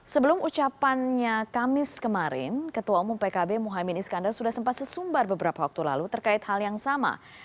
sebelum ucapannya kamis kemarin ketua umum pkb muhaymin iskandar sudah sempat sesumbar beberapa waktu lalu terkait hal yang sama